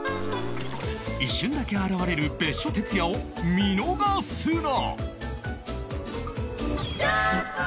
一瞬だけ現れる別所哲也を見逃すな！